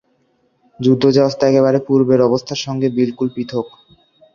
যুদ্ধ-জাহাজ তো একেবারে পূর্বের অবস্থার সঙ্গে বিলকুল পৃথক্।